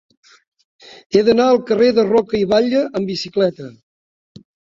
He d'anar al carrer de Roca i Batlle amb bicicleta.